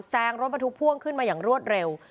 แซงรถบรรทุกพ่วงขึ้นมาอย่างรวดเร็ว